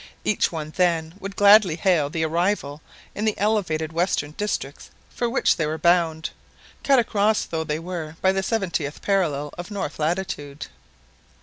Each one, then, would gladly hail the arrival in the elevated western districts for which they were bound, cut across though they were by the seventieth parallel of north latitude.